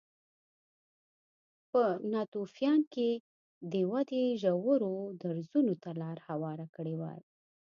په ناتوفیان کې دې ودې ژورو درزونو ته لار هواره کړې وای